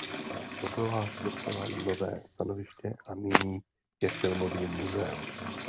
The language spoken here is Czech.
Stodola dostala nové stanoviště a nyní je filmovým muzeem.